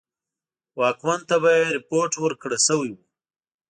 واکمن ته به یې رپوټ ورکړه سوی وو.